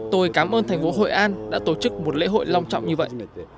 tôi cảm ơn thành phố hội an đã tổ chức một lễ hội long trọng như vậy